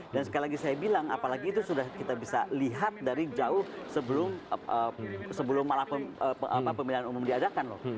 dan sekali lagi saya bilang apalagi itu sudah kita bisa lihat dari jauh sebelum malah pemilihan umum diadakan loh